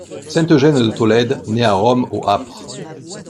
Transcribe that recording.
Saint Eugène de Tolède, né à Rome au apr.